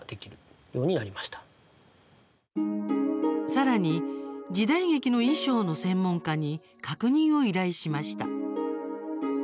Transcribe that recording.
さらに、時代劇の衣装の専門家に確認を依頼しました。